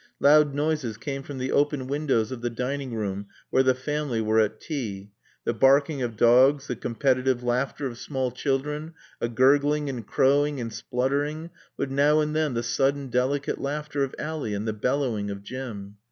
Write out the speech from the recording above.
Loud noises came from the open windows of the dining room where the family were at tea; the barking of dogs, the competitive laughter of small children, a gurgling and crowing and spluttering; with now and then the sudden delicate laughter of Ally and the bellowing of Jim.